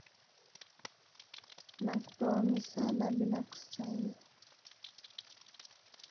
na kupewa misaada bila kustahili